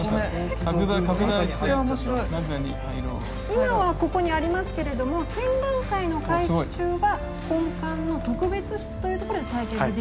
今はここにありますけれども展覧会の会期中は本館の特別室というところで体験ができるんですよね。